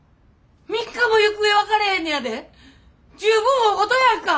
３日も行方分かれへんねやで十分大ごとやんか！